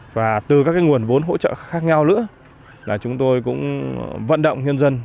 và từ các nguồn vốn hỗ trợ khác nhau nữa là chúng tôi cũng vận động nhân dân